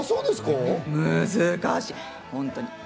難しい、本当に。